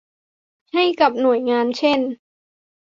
ให้กับหน่วยงานเช่น